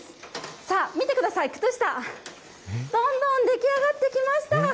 さあ、見てください、靴下、どんどん出来上がってきました。